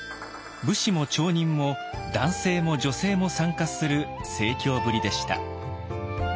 武士も町人も男性も女性も参加する盛況ぶりでした。